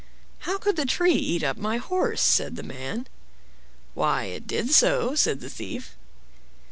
"How could the tree eat up my horse?" said the man. "Why it did so," said the Thief.